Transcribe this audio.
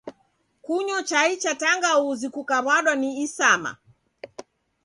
Kunyo chai cha tangauzi kukaw'adwa ni isama.